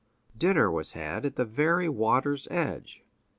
Dinner was had at the very water's edge.